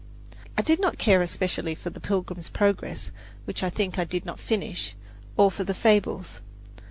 I did not care especially for "The Pilgrim's Progress," which I think I did not finish, or for the "Fables."